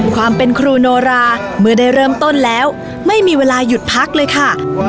ความเป็นครูโนราเมื่อได้เริ่มต้นแล้วไม่มีเวลาหยุดพักเลยค่ะ